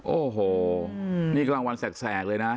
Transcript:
โอ้โหนี่กลางวันแสกเลยนะ